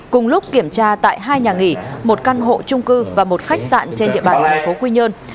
cùng lúc kiểm tra tại hai nhà nghỉ một căn hộ trung cư và một khách sạn trên địa bàn thành phố quy nhơn